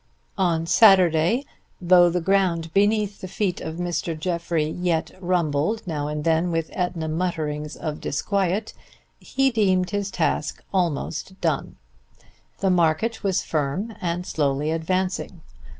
On Saturday, though the ground beneath the feet of Mr. Jeffrey yet rumbled now and then with Ætna mutterings of disquiet, he deemed his task almost done. The market was firm and slowly advancing.